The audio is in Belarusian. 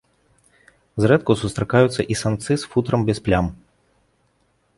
Зрэдку сустракаюцца і самцы з футрам без плям.